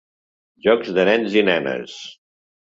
Jocs de nens i nenes.